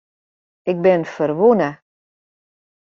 Ik bin ferwûne.